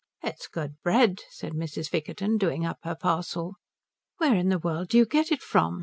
"It's good bread," said Mrs. Vickerton, doing up her parcel. "Where in the world do you get it from?"